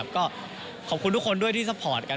ก็ขอบคุณทุกคนด้วยที่ซัพพอร์ตกัน